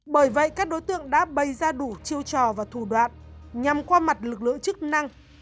bởi vậy các đối tượng đã bày ra đủ chiêu trò và thủ đoạn nhằm qua mặt lực lượng chức năng